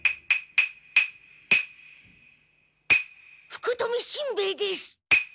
福富しんべヱです！